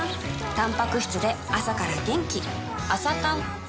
たんぱく質で朝から元気